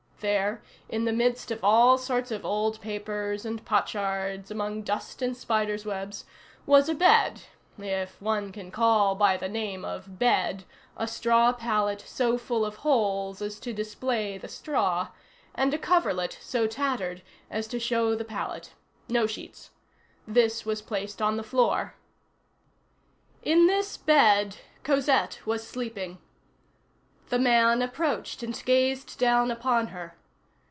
There, in the midst of all sorts of old papers and potsherds, among dust and spiders' webs, was a bed—if one can call by the name of bed a straw pallet so full of holes as to display the straw, and a coverlet so tattered as to show the pallet. No sheets. This was placed on the floor. In this bed Cosette was sleeping. The man approached and gazed down upon her.